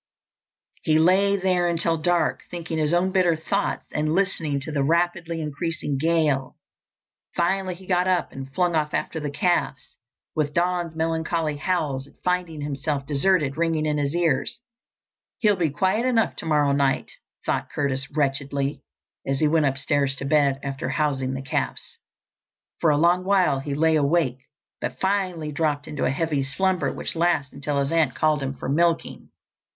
He lay there until dark, thinking his own bitter thoughts and listening to the rapidly increasing gale. Finally he got up and flung off after the calves, with Don's melancholy howls at finding himself deserted ringing in his ears. He'll be quiet enough tomorrow night, thought Curtis wretchedly, as he went upstairs to bed after housing the calves. For a long while he lay awake, but finally dropped into a heavy slumber which lasted until his aunt called him for milking.